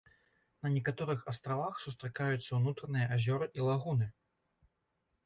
На некаторых астравах сустракаюцца ўнутраныя азёры і лагуны.